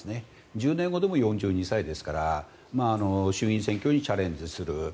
１０年後でも４２歳ですから衆院選挙にチャレンジする。